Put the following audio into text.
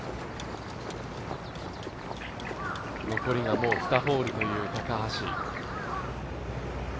残りがもう２ホールという高橋。